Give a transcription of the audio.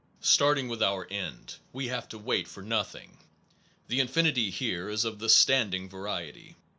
Starting with our end, we have to wait for nothing. The infinity here is of the standing variety.